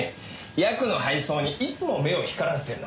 ヤクの配送にいつも目を光らせてるの。